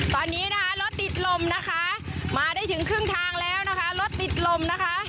ตอนนี้นะคะรถติดลมนะคะมาได้ถึงครึ่งทางแล้วนะคะรถติดลมนะคะ